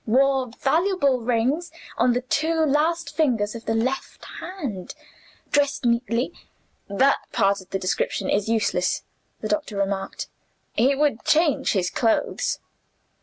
Wore valuable rings on the two last fingers of the left hand. Dressed neatly '" "That part of the description is useless," the doctor remarked; "he would change his clothes."